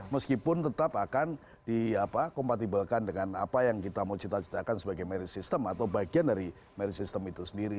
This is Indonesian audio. meskipun tetap akan dikompatiblekan dengan apa yang kita mau cita citakan sebagai merit system atau bagian dari merit system itu sendiri